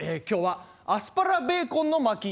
今日はアスパラベーコンの巻。